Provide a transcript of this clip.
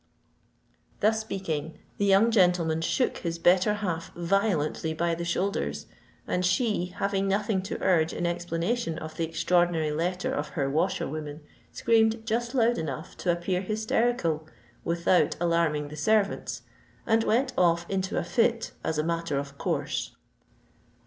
Thus speaking, the young gentleman shook his better half violently by the shoulders; and she, having nothing to urge in explanation of the extraordinary letter of her washerwoman, screamed just loud enough to appear hysterical without alarming the servants and went off into a fit, as a matter of course.